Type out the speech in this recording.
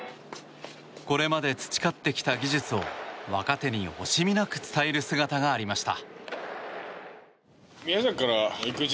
これまで培ってきた技術を若手に惜しみなく伝える姿がありました。